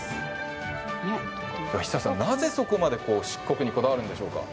久志さん、なぜそこまで漆黒にこだわるんでしょうか？